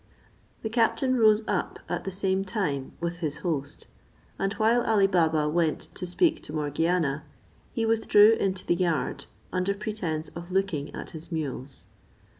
The captain rose up at the same time with his host; and while Ali Baba went to speak to Morgiana he withdrew into the yard, under pretence of looking at his mules.